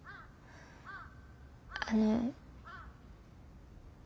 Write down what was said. あの。